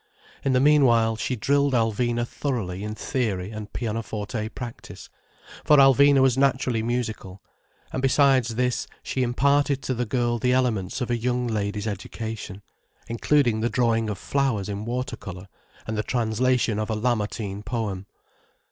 In the meanwhile she drilled Alvina thoroughly in theory and pianoforte practice, for Alvina was naturally musical, and besides this she imparted to the girl the elements of a young lady's education, including the drawing of flowers in water colour, and the translation of a Lamartine poem.